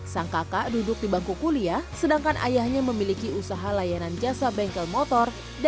sang kakak duduk di bangku kuliah sedangkan ayahnya memiliki usaha layanan jasa bengkel motor